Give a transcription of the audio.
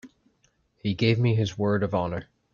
He gave me his word of honor.